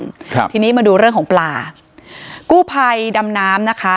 ครับทีนี้มาดูเรื่องของปลากู้ภัยดำน้ำนะคะ